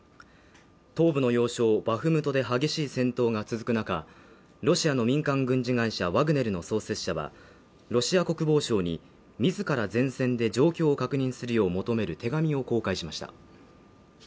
東部の要衝バフムトで激しい戦闘が続く中、ロシアの民間軍事会社ワグネルの創設者は、ロシア国防相に自ら前線で状況を確認するよう求める手紙を公開しました。